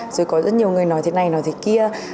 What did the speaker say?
rồi có rất nhiều người nói thế này nói thế kia